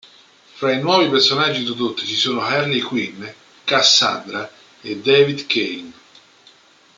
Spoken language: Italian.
Fra i nuovi personaggi introdotti ci sono Harley Quinn, Cassandra e David Cain.